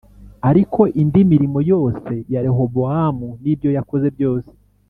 Ariko indi mirimo yose ya Rehobowamu n’ibyo yakoze byose